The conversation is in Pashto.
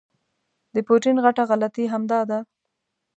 د پوټین غټه غلطي همدا ده.